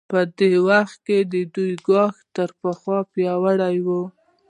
په دې وخت کې د دوی ګواښ تر پخوا پیاوړی و.